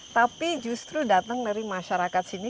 tapi justru datang dari masyarakat sini